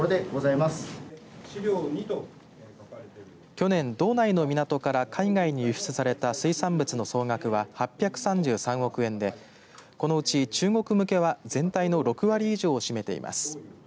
去年、道内の港から海外に輸出された水産物の総額は８３３億円でこのうち中国向けは全体の６割以上を占めています。